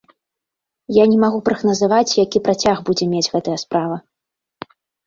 Я не магу прагназаваць, які працяг будзе мець гэтая справа.